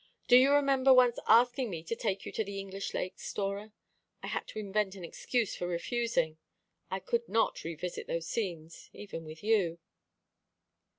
Do you remember once asking me to take you to the English Lakes, Dora? I had to invent an excuse for refusing. I could not revisit those scenes, even with you."